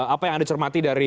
apa yang anda cermati dari